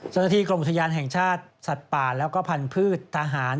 สักหน้าทีกรมอุทยานแห่งชาติสัตว์ป่าและพันธุ์พืชทหาร